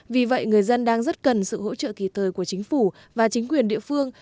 vì vậy người dân đang rất cần sự hỗ trợ kịp thời của chính phủ và chính quyền địa phương